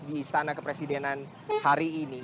di istana kepresidenan hari ini